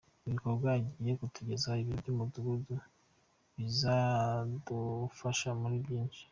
Ibikorwa igiye kutugezaho, ibiro by’umudugudu bizadufasha muri byinshi.